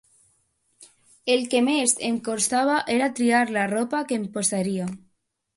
El que més em costava era triar la roba que em posaria.